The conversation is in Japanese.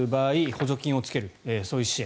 補助金をつける、そういう支援。